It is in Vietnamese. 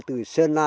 từ sơn na